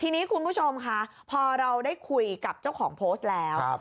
ทีนี้คุณผู้ชมค่ะพอเราได้คุยกับเจ้าของโพสต์แล้ว